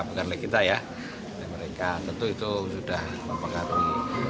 bukan oleh kita ya mereka tentu itu sudah mempengaruhi